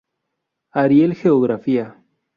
Ariel Geografía.